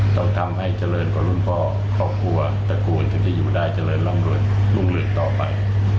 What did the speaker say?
ต้องทำให้เจริญกว่าหลวงพ่อครอบครัวตระกูลที่จะอยู่ได้เจริญรุ่งเรืองต่อไป